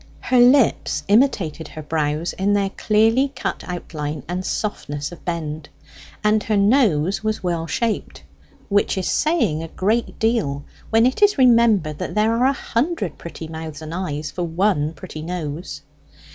Her lips imitated her brows in their clearly cut outline and softness of bend; and her nose was well shaped which is saying a great deal, when it is remembered that there are a hundred pretty mouths and eyes for one pretty nose.